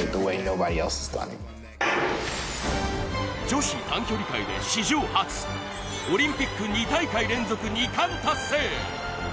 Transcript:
女子短距離界で史上初オリンピック２大会連続２冠達成